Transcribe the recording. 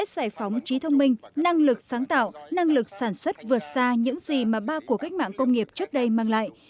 giải phóng trí thông minh năng lực sáng tạo năng lực sản xuất vượt xa những gì mà ba cuộc cách mạng công nghiệp trước đây mang lại